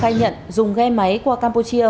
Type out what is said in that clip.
khai nhận dùng ghe máy qua campuchia